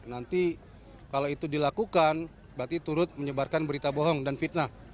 nanti kalau itu dilakukan berarti turut menyebarkan berita bohong dan fitnah